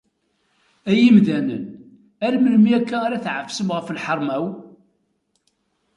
Ay imdanen, ar melmi akka ara tɛeffsem ɣef lḥeṛma-w?